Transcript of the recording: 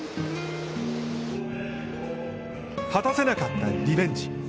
果たせなかったリベンジ。